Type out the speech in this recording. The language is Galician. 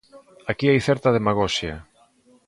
Aquí hai certa demagoxia.